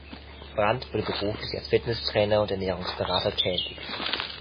Brand wurde beruflich als Fitnesstrainer und Ernährungsberater tätig.